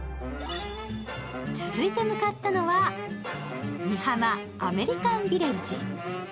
続いて向かったのは美浜アメリカンビレッジ。